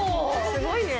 すごいね。